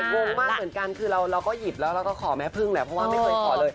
งงมากเหมือนกันคือเราก็หยิบแล้วเราก็ขอแม่พึ่งแหละเพราะว่าไม่เคยขอเลย